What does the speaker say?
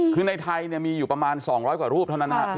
คือในไทยมีอยู่ประมาณ๒๐๐กว่ารูปเท่านั้นนะครับ